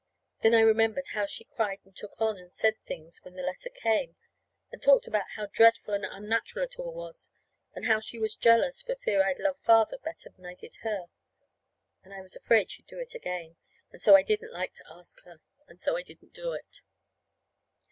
Then I remembered how she cried and took on and said things when the letter came, and talked about how dreadful and unnatural it all was, and how she was jealous for fear I'd love Father better than I did her. And I was afraid she'd do it again, and so I didn't like to ask her. And so I didn't do it.